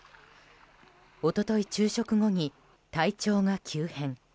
一昨日、昼食後に体調が急変。